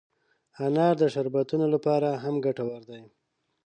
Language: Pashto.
انار د شربتونو لپاره هم ګټور دی.